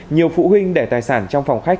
nhiều phụ huynh để tài sản trong phòng khách